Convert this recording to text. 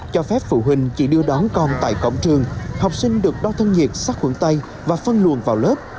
cho phép phụ huynh chỉ đưa đón con tại cổng trường học sinh được đo thân nhiệt sát khuẩn tay và phân luồn vào lớp